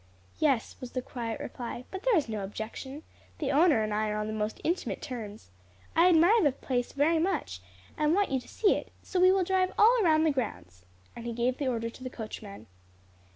"Yes," was the quiet reply, "but there is no objection. The owner and I are on the most intimate terms. I admire the place very much, and want you to see it, so we will drive all around the grounds." And he gave the order to the coachman.